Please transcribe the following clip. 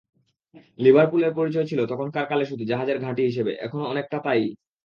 লিভারপুলের পরিচয় ছিল তখনকার কালে শুধু জাহাজের ঘাঁটি হিসেবে, এখনো অনেকটা তা-ই।